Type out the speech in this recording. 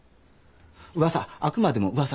うわさあくまでもうわさ。